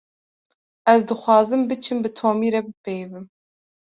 Ez dixwazim biçim bi Tomî re bipeyivim.